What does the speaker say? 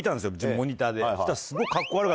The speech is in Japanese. モニターで。